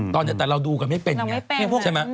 ตอนนี้แต่เราดูกันไม่เป็นไงใช่ไหม